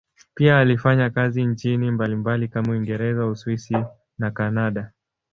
Pia alifanya kazi nchini mbalimbali kama Uingereza, Uswisi na Kanada.